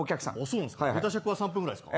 ネタ尺は３分ぐらいですか。